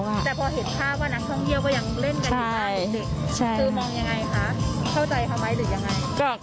บางครับ